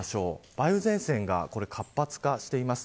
梅雨前線が活発化しています。